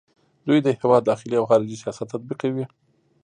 دوی د هیواد داخلي او خارجي سیاست تطبیقوي.